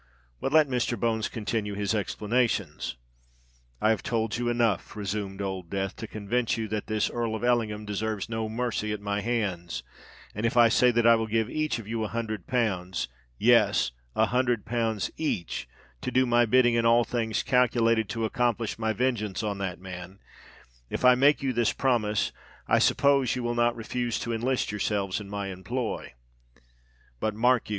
But let Mr. Bones continue his explanations." "I have told you enough," resumed Old Death, "to convince you that this Earl of Ellingham deserves no mercy at my hands: and if I say that I will give each of you a hundred pounds—yes, a hundred pounds each—to do my bidding in all things calculated to accomplish my vengeance on that man,—if I make you this promise, I suppose you will not refuse to enlist yourselves in my employ. But, mark you!"